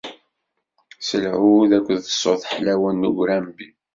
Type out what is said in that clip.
S lɛud akked ṣṣut ḥlawen n ugrambi.